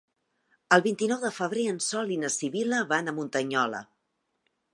El vint-i-nou de febrer en Sol i na Sibil·la van a Muntanyola.